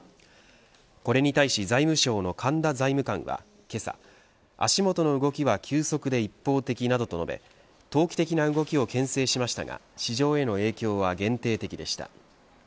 これに対し財務省の神田財務官はけさ足元の動きは急速で一方的などと述べ投機的な動きをけん制しましたが市場への影響は限定的でした。